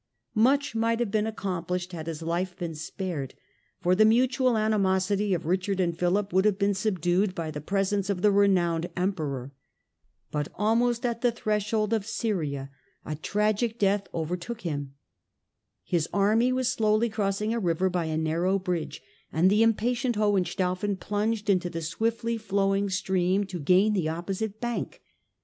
Much might have been accomplished had his life been spared, for the mutual animosity of Richard and Philip would have been subdued by the presence of the renowned Emperor. But almost at the threshold of Syria a tragic death over took him. His army was slowly crossing a river by a narrow bridge and the impatient Hohenstaufen plunged into the swiftly flowing stream to gain the opposite bank.